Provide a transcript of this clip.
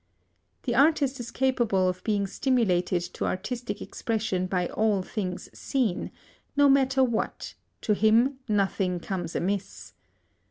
The artist is capable of being stimulated to artistic expression by all things seen, no matter what; to him nothing comes amiss.